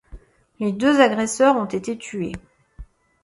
Les deux agresseurs ont été tués.